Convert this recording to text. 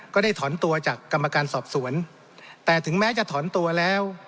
ก็ได้ถอนตัวจากกรรมการสอบสวนแต่ถึงแม้จะถอนตัวแล้ว